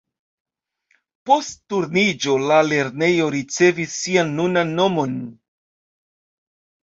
Post Turniĝo la lernejo ricevis sian nunan nomon.